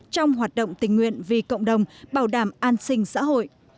trong hoạt động tình nguyện vì cộng đồng bảo đảm an sinh xã hội